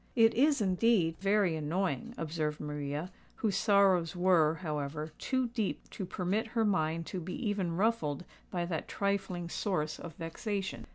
"It is, indeed, very annoying," observed Maria, whose sorrows were, however, too deep to permit her mind to be even ruffled by that trifling source of vexation.